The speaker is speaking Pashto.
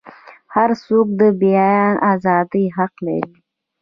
هرڅوک د بیان ازادۍ حق لري.